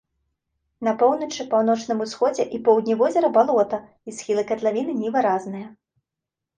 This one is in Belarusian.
На поўначы, паўночным усходзе і поўдні возера балота і схілы катлавіны невыразныя.